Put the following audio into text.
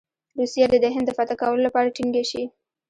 روسیه دې د هند د فتح کولو لپاره ټینګه شي.